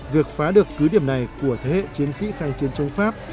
việc phá được cứ điểm này của thế hệ chiến sĩ khai chiến chống pháp